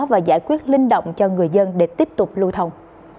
và giải quyết linh động cho người dân để tiếp tục lưu thông